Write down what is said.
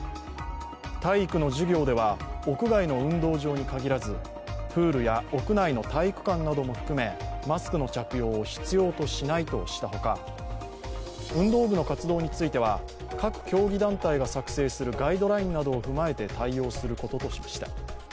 体育の授業では、屋外の運動場に限らずプールや屋内の体育館なども含めマスクの着用を必要としないとしたほか運動部の活動については、各競技団体が作成するガイドラインなどを踏まえて対応することとしました。